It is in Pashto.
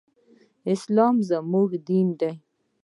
اسلام زمونږ دين دی.